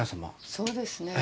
そうですね。